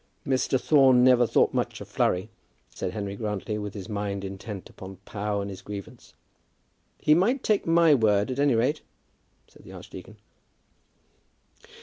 "Mr. Thorne never thought much of Flurry," said Henry Grantly, with his mind intent upon Pau and his grievance. "He might take my word at any rate," said the archdeacon.